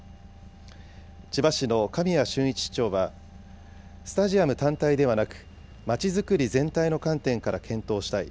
千葉市の神谷俊一市長は、スタジアム単体ではなく、まちづくり全体の観点から検討したい。